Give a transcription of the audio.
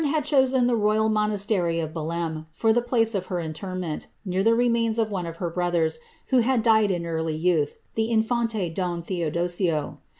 351 had chosen the royal monastery of Belem for the place of t, near the remains of one of her brothers, who had died in the in&nte don Theodosio.